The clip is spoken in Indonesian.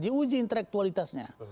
di uji intelektualitasnya